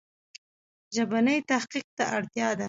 ژبني تحقیق ته اړتیا ده.